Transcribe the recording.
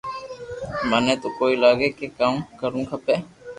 مني تو ڪوئي لاگي ڪي ڪاو ڪروُ کپي